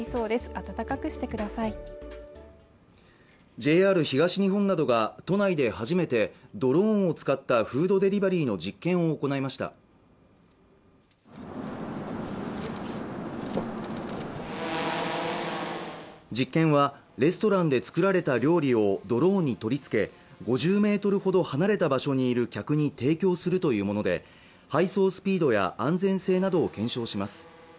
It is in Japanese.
ＪＲ東日本などが都内で初めてドローンを使ったフードデリバリーの実験を行いました実験はレストランで作られた料理をドローンに取り付け５０メートルほど離れた場所にいる客に提供するというもので配送スピードや安全性などを検証します